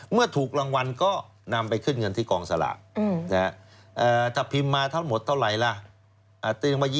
เมื่อถูกรางวัลก็นำไปขึ้นเงินที่กองสลากถ้าพิมพ์มาทั้งหมดเท่าไหร่ล่ะ